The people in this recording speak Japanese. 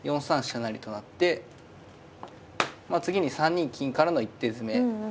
成と成って次に３二金からの一手詰め。